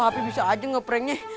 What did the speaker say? tapi bisa aja nge pranknya